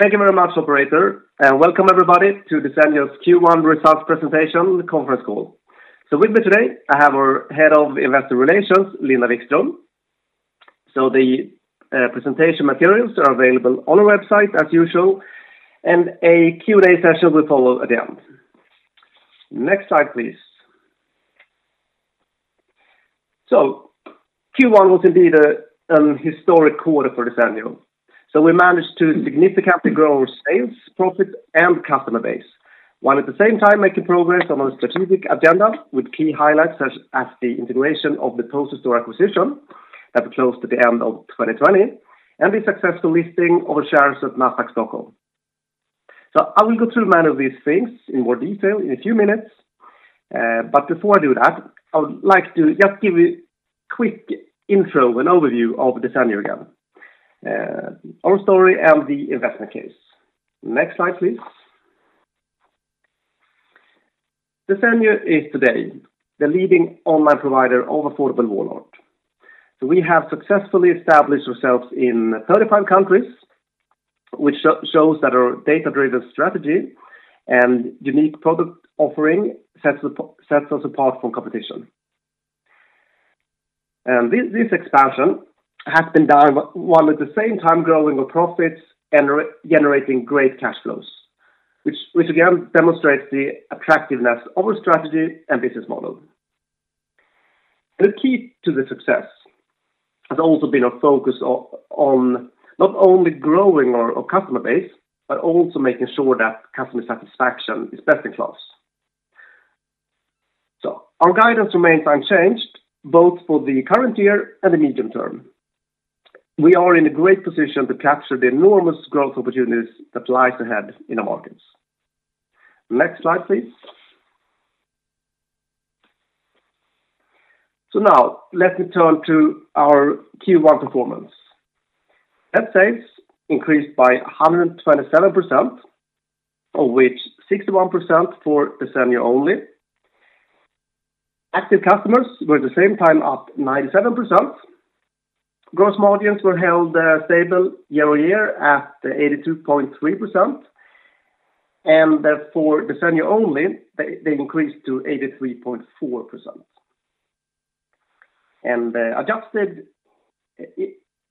Thank you very much, operator, and welcome everybody to Desenio's Q1 results presentation conference call. With me today, I have our Head of Investor Relations, Linda Wikström. The presentation materials are available on our website as usual, and a Q&A session will follow at the end. Next slide, please. Q1 was indeed a historic quarter for Desenio. We managed to significantly grow our sales, profit, and customer base, while at the same time making progress on our strategic agenda with key highlights such as the integration of the Poster Store acquisition that we closed at the end of 2020, and the successful listing of shares at Nasdaq Stockholm. I will go through many of these things in more detail in a few minutes. Before I do that, I would like to just give a quick intro and overview of Desenio again, our story and the investment case. Next slide, please. Desenio is today the leading online provider of affordable wall art. We have successfully established ourselves in 35 countries, which shows that our data-driven strategy and unique product offering sets us apart from competition. This expansion has been done while at the same time growing our profits and generating great cash flows, which again demonstrates the attractiveness of our strategy and business model. The key to the success has also been a focus on not only growing our customer base, but also making sure that customer satisfaction is best in class. Our guidance remains unchanged, both for the current year and the medium term. We are in a great position to capture the enormous growth opportunities that lies ahead in the markets. Next slide, please. Now let me turn to our Q1 performance. Net sales increased by 127%, of which 61% for Desenio only. Active customers were at the same time up 97%. Gross margins were held stable year-over-year at 82.3%, and therefore Desenio only, they increased to 83.4%. Adjusted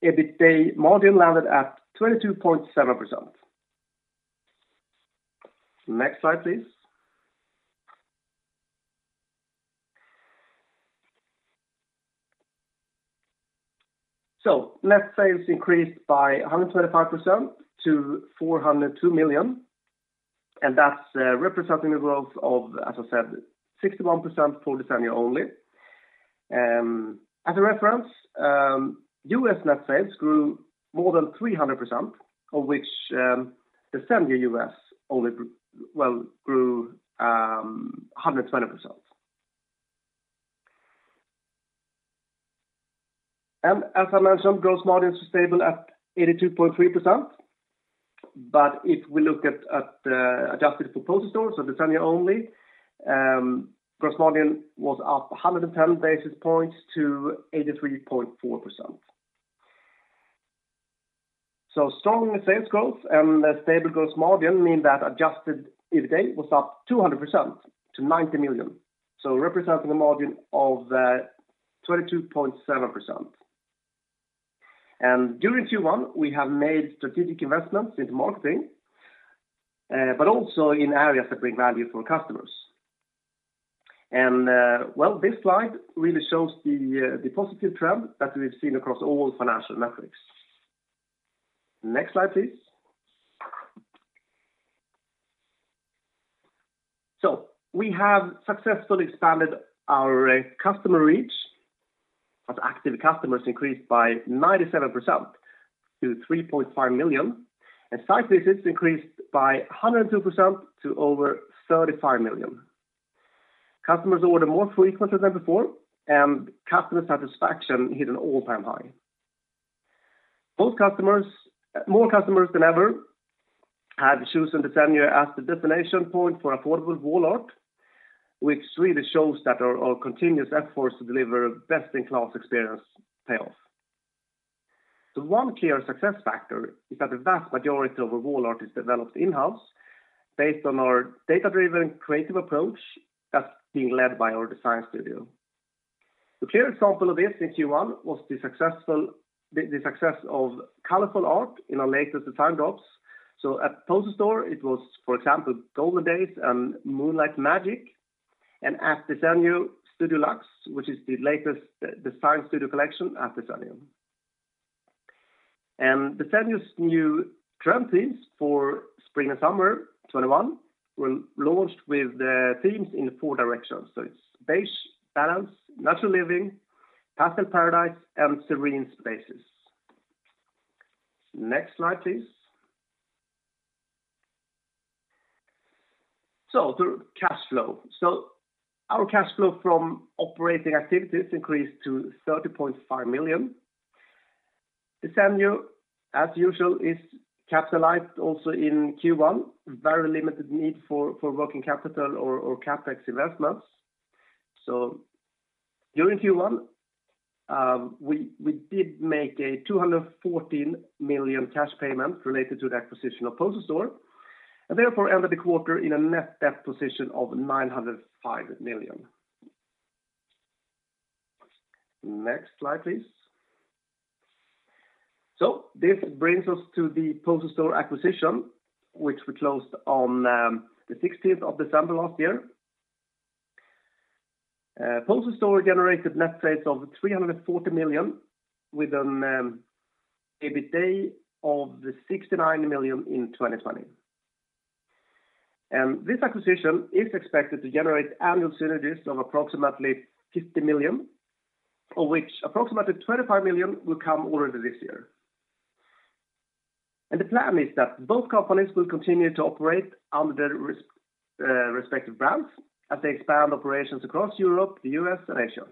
EBITA margin landed at 22.7%. Next slide, please. Net sales increased by 125% to 402 million, and that's representing the growth of, as I said, 61% for Desenio only. As a reference, U.S. net sales grew more than 300%, of which Desenio U.S. only grew 120%. As I mentioned, gross margin is stable at 82.3%, but if we look at adjusted for Poster Store, so Desenio only, gross margin was up 110 basis points to 83.4%. Strong sales growth and a stable gross margin mean that adjusted EBITA was up 200% to 90 million. Representing a margin of 22.7%. During Q1, we have made strategic investments in marketing, but also in areas that bring value for customers. Well, this slide really shows the positive trend that we've seen across all financial metrics. Next slide, please. We have successfully expanded our customer reach as active customers increased by 97% to 3.5 million, and site visits increased by 102% to over 35 million. Customers order more frequently than before, and customer satisfaction hit an all-time high. More customers than ever have chosen Desenio as the destination point for affordable wall art, which really shows that our continuous efforts to deliver best-in-class experience pay off. One clear success factor is that the vast majority of our wall art is developed in-house based on our data-driven creative approach that's being led by our design studio. The clear example of this in Q1 was the success of colorful art in our latest design drops. At Poster Store, it was, for example, Golden Days and Moonlight Magic, and at Desenio, Studio Luxe, which is the latest design studio collection at Desenio. Desenio's new trend themes for spring and summer 2021 were launched with themes in four directions. It's Base Balance, Natural Living, Pastel Paradise, and Serene spaces. Next slide, please. The cash flow. Our cash flow from operating activities increased to 30.5 million. Desenio, as usual, is capitalized also in Q1. Very limited need for working capital or CapEx investments. During Q1, we did make a 214 million cash payment related to the acquisition of Poster Store, and therefore ended the quarter in a net debt position of 905 million. Next slide, please. This brings us to the Poster Store acquisition, which we closed on the 16th of December last year. Poster Store generated net sales of 340 million with an EBITDA of 69 million in 2020. This acquisition is expected to generate annual synergies of approximately 50 million, of which approximately 25 million will come already this year. The plan is that both companies will continue to operate under their respective brands as they expand operations across Europe, the U.S., and Asia.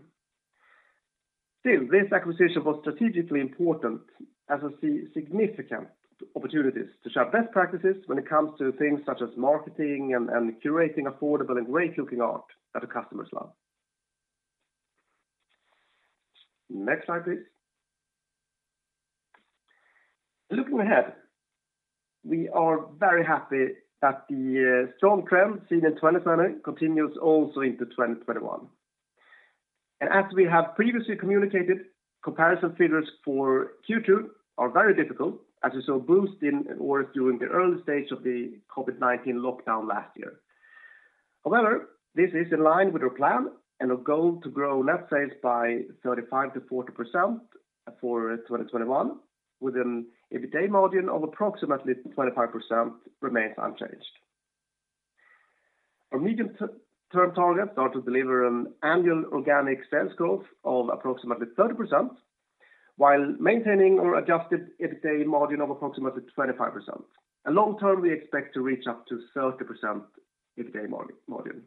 Still, this acquisition was strategically important as I see significant opportunities to share best practices when it comes to things such as marketing and curating affordable and great looking art that the customers love. Next slide, please. Looking ahead, we are very happy that the strong trend seen in 2020 continues also into 2021. As we have previously communicated, comparison figures for Q2 are very difficult as we saw a boost in orders during the early stage of the COVID-19 lockdown last year. However, this is in line with our plan and our goal to grow net sales by 35%-40% for 2021, with an EBITDA margin of approximately 25% remains unchanged. Our medium-term targets are to deliver an annual organic sales growth of approximately 30% while maintaining our adjusted EBITDA margin of approximately 25%. Long term, we expect to reach up to 30% EBITDA margin.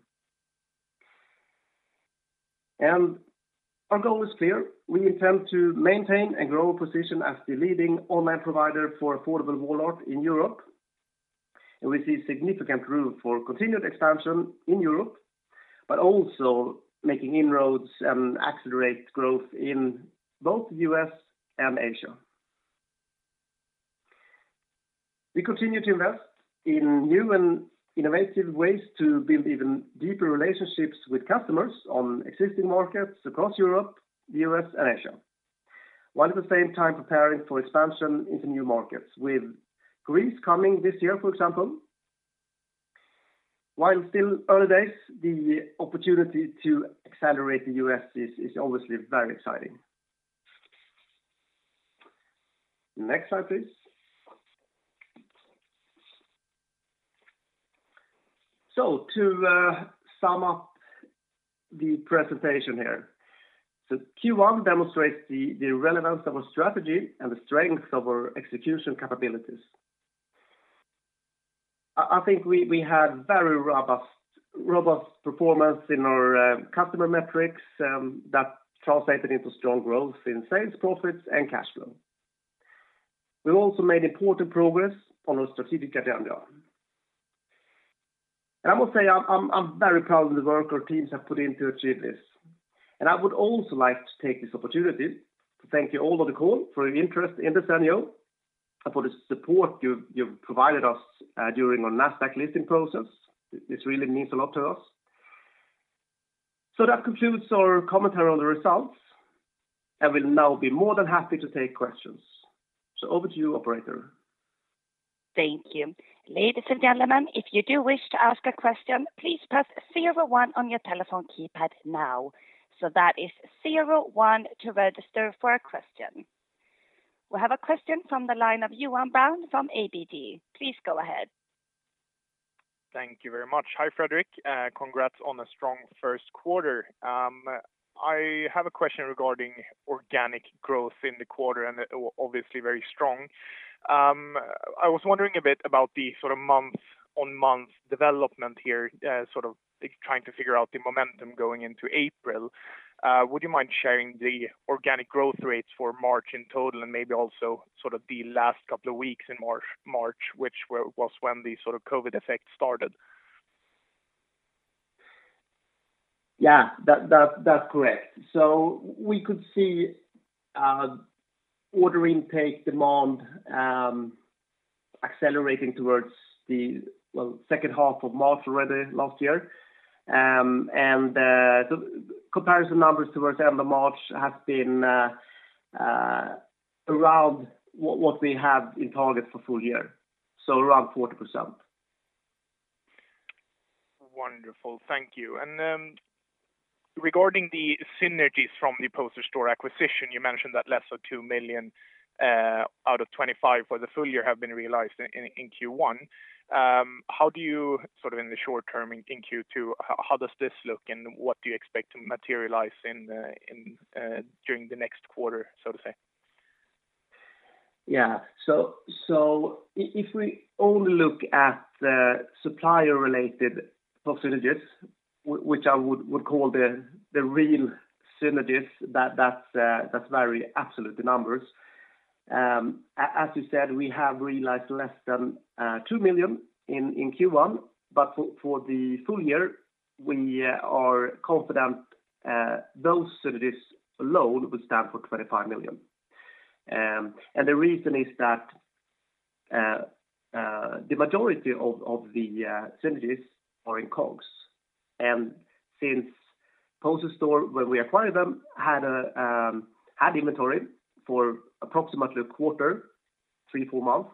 Our goal is clear. We intend to maintain and grow our position as the leading online provider for affordable wall art in Europe, and we see significant room for continued expansion in Europe, but also making inroads and accelerate growth in both U.S. and Asia. We continue to invest in new and innovative ways to build even deeper relationships with customers on existing markets across Europe, the U.S., and Asia, while at the same time preparing for expansion into new markets with Greece coming this year, for example. While still early days, the opportunity to accelerate the U.S. is obviously very exciting. Next slide, please. To sum up the presentation here. Q1 demonstrates the relevance of our strategy and the strength of our execution capabilities. I think we had very robust performance in our customer metrics that translated into strong growth in sales, profits, and cash flow. We've also made important progress on our strategic agenda. I must say, I'm very proud of the work our teams have put in to achieve this. I would also like to take this opportunity to thank you all on the call for your interest in Desenio and for the support you've provided us during our Nasdaq listing process. It really means a lot to us. That concludes our commentary on the results. I will now be more than happy to take questions. Over to you, operator. Thank you. Ladies and gentlemen, if you do wish to ask a question, please press zero one on your telephone keypad now. That is zero one to register for a question. We have a question from the line of Johan Brown from ABG. Please go ahead. Thank you very much. Hi, Fredrik. Congrats on a strong first quarter. I have a question regarding organic growth in the quarter, and obviously very strong. I was wondering a bit about the month-on-month development here, sort of trying to figure out the momentum going into April. Would you mind sharing the organic growth rates for March in total and maybe also sort of the last couple of weeks in March, which was when the sort of COVID effect started? Yeah. That's correct. We could see order intake demand accelerating towards the second half of March already last year. The comparison numbers towards the end of March have been around what we have in target for full year, so around 40%. Wonderful. Thank you. Regarding the synergies from the Poster Store acquisition, you mentioned that less than 2 million out of 25 for the full year have been realized in Q1. How do you, sort of in the short term in Q2, how does this look and what do you expect to materialize during the next quarter, so to say? Yeah. If we only look at the supplier-related synergies, which I would call the real synergies, that is very absolute numbers. As you said, we have realized less than 2 million in Q1, but for the full year, we are confident those synergies alone would stand for 25 million. The reason is that the majority of the synergies are in COGS. Since Poster Store, when we acquired them, had inventory for approximately a quarter, three, four months,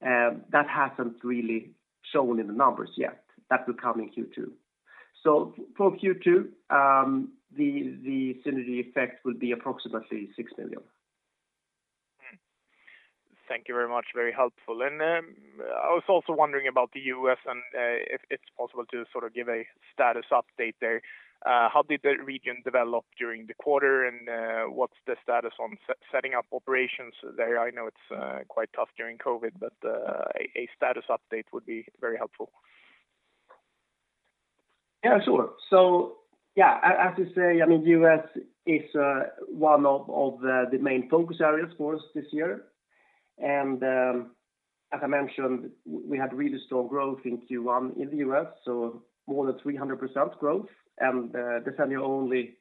that has not really shown in the numbers yet. That will come in Q2. For Q2, the synergy effect will be approximately 6 million. Thank you very much. Very helpful. I was also wondering about the U.S. and if it's possible to sort of give a status update there. How did the region develop during the quarter and what's the status on setting up operations there? I know it's quite tough during COVID-19, but a status update would be very helpful. Yeah, sure. As you say, U.S. is one of the main focus areas for us this year. As I mentioned, we had really strong growth in Q1 in the U.S., so more than 300% growth, and Desenio only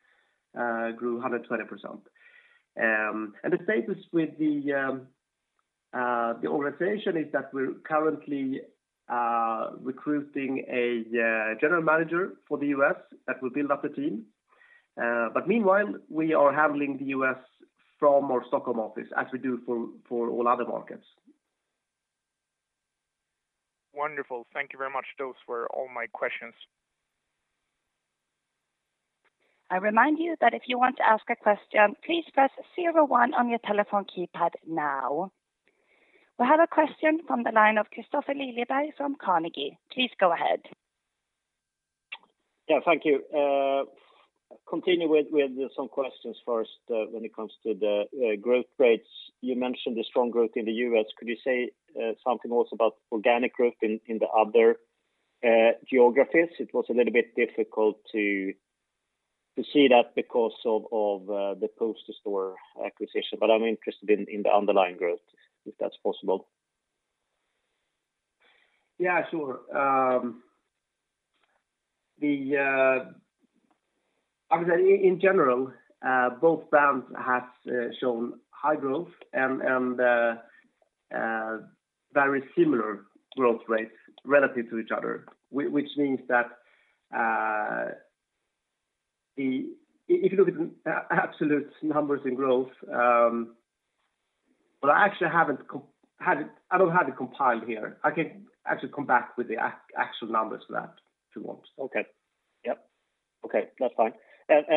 grew 120%. The status with the organization is that we're currently recruiting a general manager for the U.S. that will build up the team. Meanwhile, we are handling the U.S. from our Stockholm office as we do for all other markets. Wonderful. Thank you very much. Those were all my questions. I remind you that if you want to ask a question, please press zero one on your telephone keypad now. We have a question from the line of Kristofer Liljeberg from Carnegie. Please go ahead. Yeah, thank you. Continue with some questions first when it comes to the growth rates. You mentioned the strong growth in the U.S., could you say something also about organic growth in the other geographies? It was a little bit difficult to see that because of the Poster Store acquisition. I'm interested in the underlying growth, if that's possible. Yeah, sure. In general, both brands have shown high growth and very similar growth rates relative to each other, which means that if you look at absolute numbers in growth. I actually don't have it compiled here. I can actually come back with the actual numbers for that if you want. Okay. Yep. Okay, that's fine.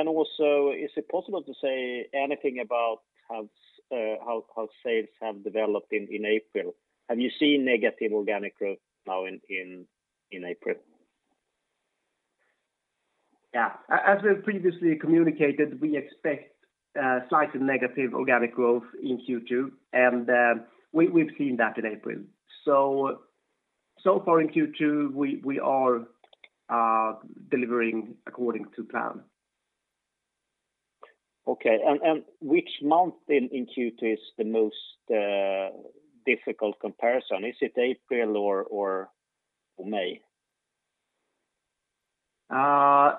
Also, is it possible to say anything about how sales have developed in April? Have you seen negative organic growth now in April? Yeah. As we've previously communicated, we expect slightly negative organic growth in Q2, and we've seen that in April. So far in Q2, we are delivering according to plan. Okay. Which month in Q2 is the most difficult comparison? Is it April or May? I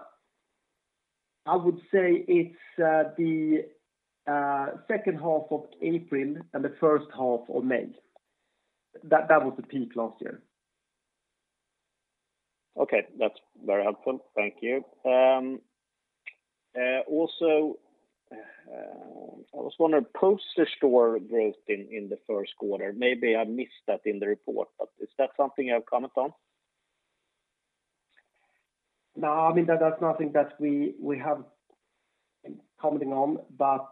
would say it's the second half of April and the first half of May. That was the peak last year. Okay. That's very helpful. Thank you. I was wondering, Poster Store growth in the first quarter, maybe I missed that in the report, but is that something you have comment on? No, that's nothing that we have commenting on, but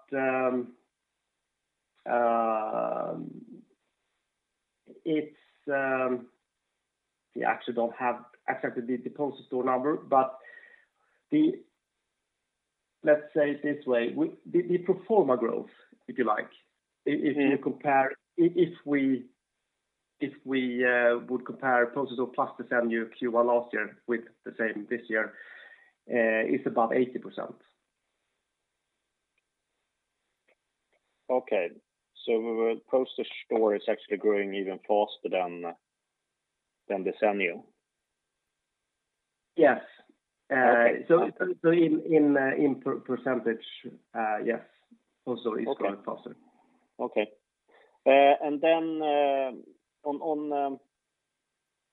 we actually don't have exactly the Poster Store number. Let's say it this way, the pro forma growth if you like. If we would compare Poster Store plus Desenio Q1 last year with the same this year, is about 80%. Okay. Poster Store is actually growing even faster than Desenio? Yes. Okay. In percentage, yes. Poster is growing faster. Okay.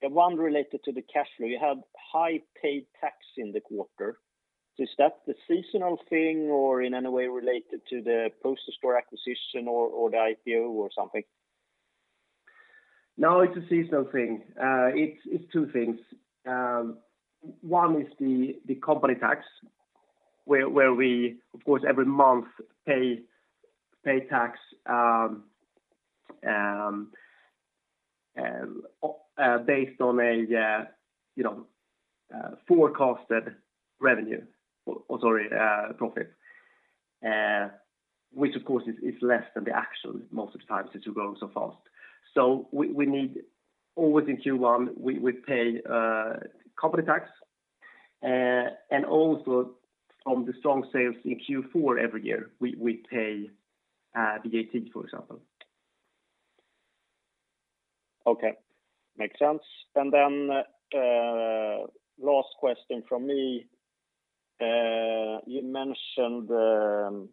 One related to the cash flow. You had high paid tax in the quarter. Is that the seasonal thing or in any way related to the Poster Store acquisition or the IPO or something? No, it's a seasonal thing. It's two things. One is the company tax, where we, of course, every month pay tax based on a forecasted profit. Which, of course, is less than the actual most of the times since we're growing so fast. Always in Q1, we pay company taxAnd also from the strong sales in Q4 every year, we pay the VAT, for example. Okay. Makes sense. Last question from me. You mentioned a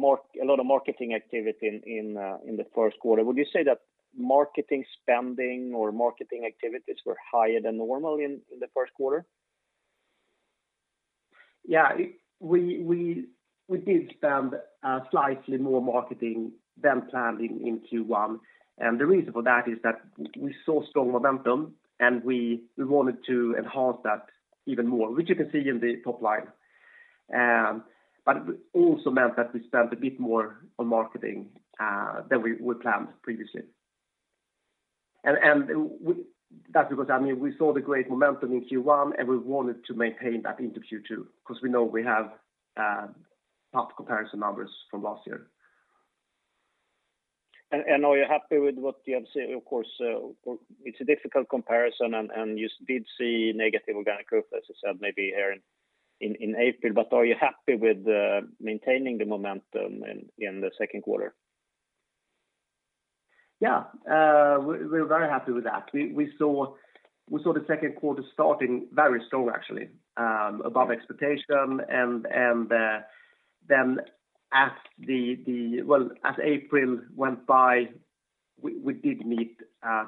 lot of marketing activity in the first quarter. Would you say that marketing spending or marketing activities were higher than normal in the first quarter? Yeah. We did spend slightly more marketing than planned in Q1. The reason for that is that we saw strong momentum, we wanted to enhance that even more, which you can see in the top line. It also meant that we spent a bit more on marketing than we planned previously. That's because we saw the great momentum in Q1, we wanted to maintain that into Q2 because we know we have tough comparison numbers from last year. Are you happy with what you have seen? Of course, it's a difficult comparison, and you did see negative organic growth, as you said, maybe here in April. Are you happy with maintaining the momentum in the second quarter? Yeah. We're very happy with that. We saw the second quarter starting very strong, actually, above expectation. As April went by, we did meet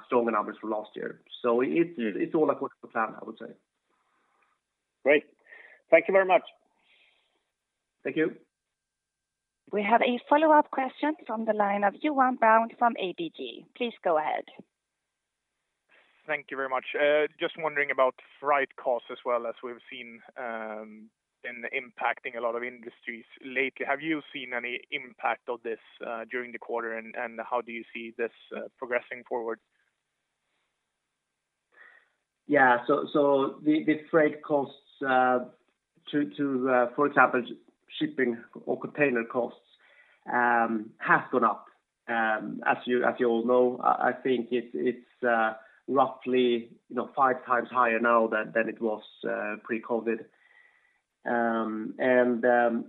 strong numbers for last year. It's all according to plan, I would say. Great. Thank you very much. Thank you. We have a follow-up question from the line of Johan Brown from ABG. Please go ahead. Thank you very much. Just wondering about freight costs as well as we've seen impacting a lot of industries lately. Have you seen any impact of this during the quarter? How do you see this progressing forward? Yeah. The freight costs to, for example, shipping or container costs, have gone up. As you all know, I think it's roughly five times higher now than it was pre-COVID-19.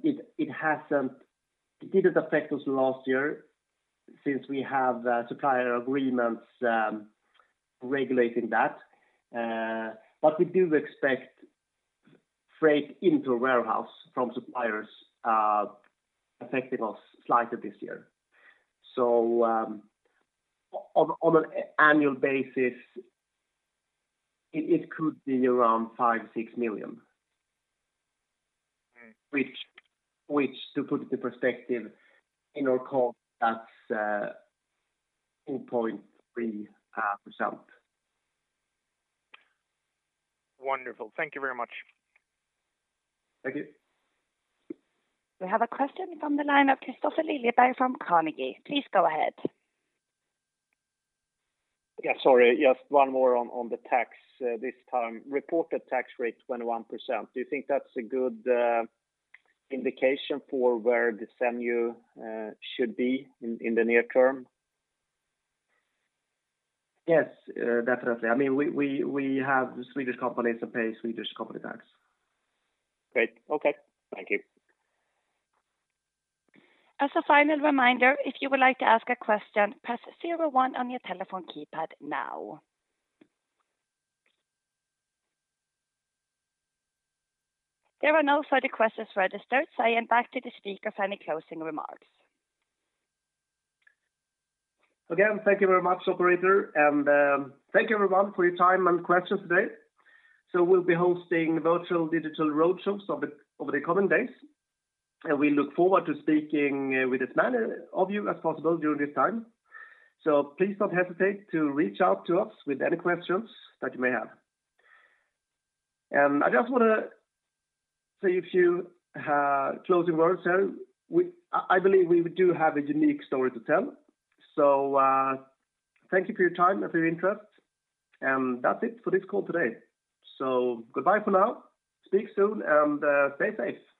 It didn't affect us last year since we have supplier agreements regulating that. We do expect freight into warehouse from suppliers affecting us slightly this year. On an annual basis, it could be around five million to SEK six million. Okay. Which, to put into perspective in our costs, that's 2.3%. Wonderful. Thank you very much. Thank you. We have a question from the line of Kristofer Liljeberg from Carnegie. Please go ahead. Yeah, sorry, just one more on the tax this time. Reported tax rate 21%. Do you think that's a good indication for where Desenio should be in the near term? Yes, definitely. We have Swedish companies that pay Swedish company tax. Great. Okay. Thank you. As a final reminder, if you would like to ask a question, press zero one on your telephone keypad now. There are no further questions registered, so I hand back to the speaker for any closing remarks. Again, thank you very much, operator, and thank you everyone for your time and questions today. We'll be hosting virtual digital road shows over the coming days, and we look forward to speaking with as many of you as possible during this time. Please don't hesitate to reach out to us with any questions that you may have. I just want to say a few closing words here. I believe we do have a unique story to tell. Thank you for your time and for your interest. That's it for this call today. Goodbye for now. Speak soon and stay safe.